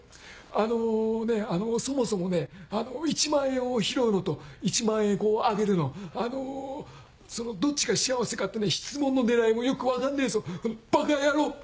あのねあのそもそもね１万円を拾うのと１万円あげるのあのそのどっちが幸せかってね質問の狙いもよく分かんねえぞばか野郎！